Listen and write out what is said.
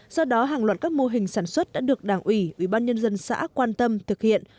do đó hàng loạt các mô hình sản xuất đã được đảng ủy ủy ban nhân dân xã quan tâm thực hiện